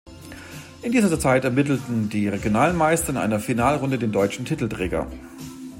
In dieser Zeit ermittelten die regionalen Meister in einer Finalrunde den deutschen Titelträger.